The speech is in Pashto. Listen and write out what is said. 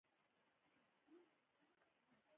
دوی ترمنځ کوچني توپیرونه ژور شول.